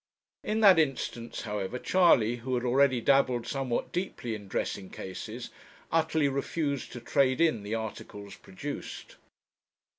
In that instance, however, Charley, who had already dabbled somewhat deeply in dressing cases, utterly refused to trade in the articles produced.